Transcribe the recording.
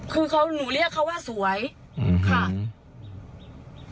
คือเขาหนูเรียกเขาว่าสวยค่ะ